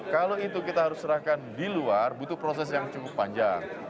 kalau itu kita harus serahkan di luar butuh proses yang cukup panjang